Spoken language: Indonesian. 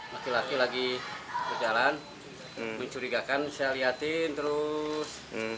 laki laki berjalan mencurigakan saya lihatin terus